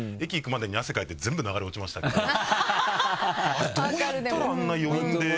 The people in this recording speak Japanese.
あれどうやったらあんな余韻で残せる。